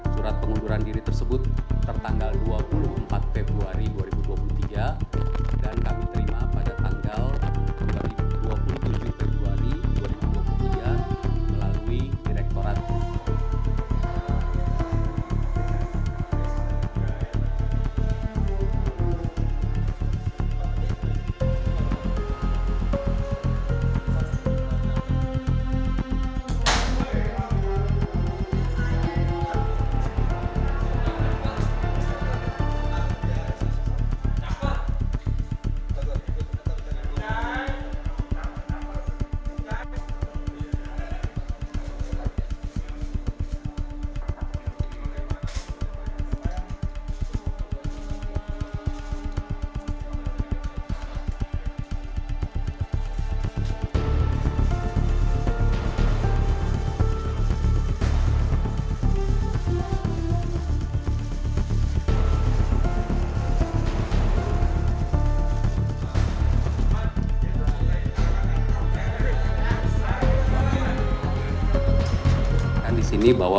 surat pengunduran diri tersebut tertanggal dua puluh empat februari dua ribu dua puluh tiga